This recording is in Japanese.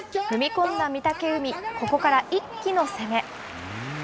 踏み込んだ御嶽海、ここから一気の攻め。